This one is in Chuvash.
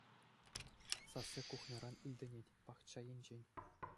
Сасси кухньӑран илтӗнет, пахча енчен.